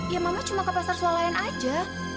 ya mama cuma ke pasar sualayan aja